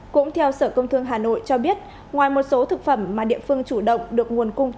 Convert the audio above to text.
cũng theo sở công thương hà nội cho biết ngoài một số thực phẩm mà địa phương chủ động được nguồn cung thịt